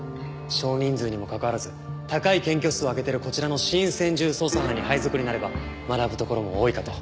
少人数にもかかわらず高い検挙数を挙げているこちらの新専従捜査班に配属になれば学ぶところも多いかと。